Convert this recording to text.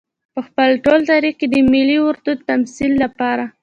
په خپل ټول تاريخ کې د ملي ارادې د تمثيل لپاره.